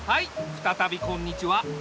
ふたたびこんにちは。